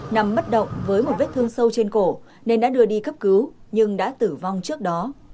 nằm bất động với một vết thương sâu trên cổ nên đã đưa đi cấp cứu nhưng đã tử vong trước đó